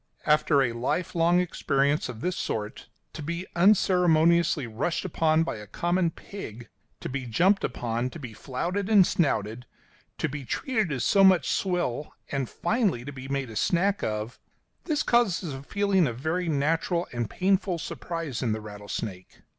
After a life long experience of this sort, to be unceremoniously rushed upon by a common pig, to be jumped upon, to be flouted and snouted, to be treated as so much swill, and finally to be made a snack of this causes a feeling of very natural and painful surprise in the rattlesnake.